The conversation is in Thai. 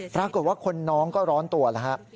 ปรากฏว่าคนน้องก็ร้อนตัวแล้วฮะ